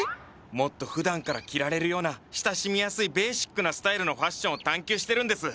もっとふだんから着られるような親しみやすいベーシックなスタイルのファッションを探求してるんです。